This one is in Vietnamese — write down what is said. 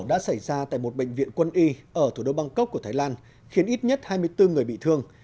đã xảy ra tại một bệnh viện quân y ở thủ đô bangkok của thái lan khiến ít nhất hai mươi bốn người bị thương